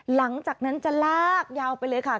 หลังจากนั้นจะลากยาวไปเลยค่ะ